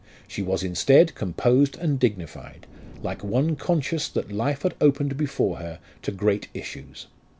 She was instead composed and dignified, like one conscious that life had opened before her to great issues.